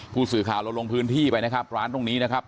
ผู้สื่อข่าวเราลงพื้นที่ไปนะครับร้านตรงนี้นะครับ